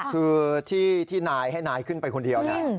คือที่นายให้นายขึ้นไปคนเดียวเนี่ย